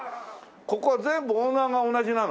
ここは全部オーナーが同じなの？